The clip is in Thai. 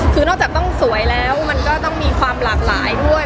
คือนอกจากต้องสวยแล้วมันก็ต้องมีความหลากหลายด้วย